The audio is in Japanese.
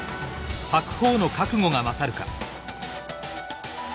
白鵬の覚悟が勝るか。